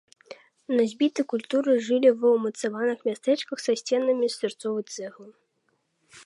Носьбіты культуры жылі ва ўмацаваных мястэчках са сценамі з сырцовай цэглы.